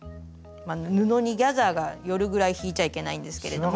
布にギャザーが寄るぐらい引いちゃいけないんですけれども。